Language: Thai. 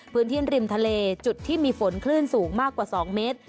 พื้นที่ริมทะเลจุดที่มีฝนคลื่นสูงมากกว่า๒เมตร